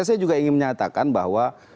saya juga ingin menyatakan bahwa